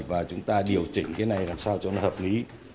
và chúng ta điều chỉnh cái này làm sao cho nó hợp lý